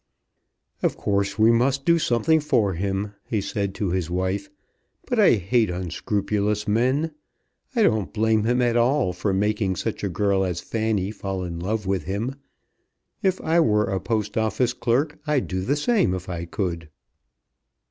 "Of course we must do something for him," he said to his wife; "but I hate scrupulous men. I don't blame him at all for making such a girl as Fanny fall in love with him. If I were a Post Office clerk I'd do the same if I could."